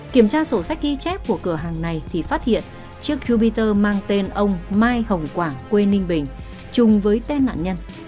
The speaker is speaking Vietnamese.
kiểm tra sổ sách ghi chép của cửa hàng này thì phát hiện chiếc jupiter mang tên ông mai hồng quảng quê ninh bình chung với tên nạn nhân